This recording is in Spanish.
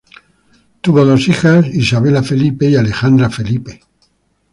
Tuvo dos hijas; Isabela Felipe y Alejandra Felipe.